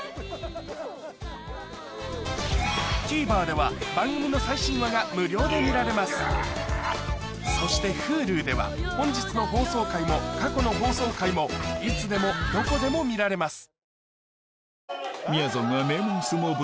ＴＶｅｒでは番組の最新話が無料で見られますそしてＨｕｌｕでは本日の放送回も過去の放送回もいつでもどこでも見られます